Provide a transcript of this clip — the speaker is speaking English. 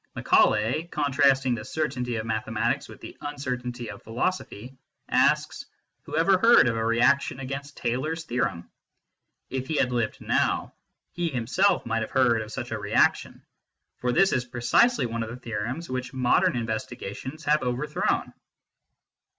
Macaulay, contrasting the certainty of mathematics with the uncertainty of philosophy, asks who ever heard of a reaction against Taylor s theorem ? If he had lived now, he himself might have heard of such a reaction, for this is precisely one of the theorems which modern investigations have overthrown.